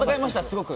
すごく。